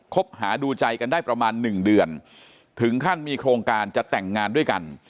คบหาดูใจกันได้ประมาณหนึ่งเดือนถึงขั้นมีโครงการจะแต่งงานด้วยกัน